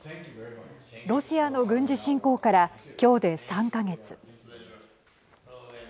ロシアの軍事侵攻からきょうで３か月。